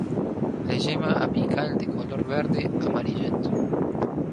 La yema apical de color verde amarillento.